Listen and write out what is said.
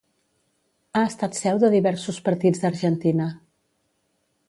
Ha estat seu de diversos partits d'Argentina.